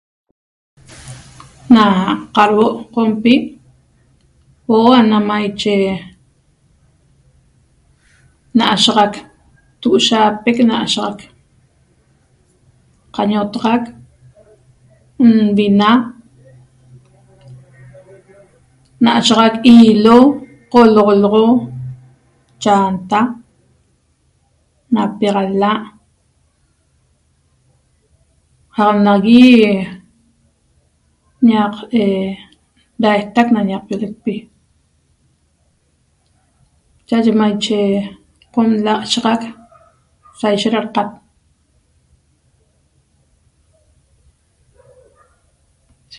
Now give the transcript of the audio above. Na qadhuo' Qompi huo'o na maiche n'ashaxac togoshaapec n'ashaxac qañoxotaxac nvina n'ashaxac hilo qoloxoloxo chanta napiaxala' qaq nagui ñaq da'aijtac na ñaqpiolecpi cha'aye maiche Qom l'ashaxac saishet daqat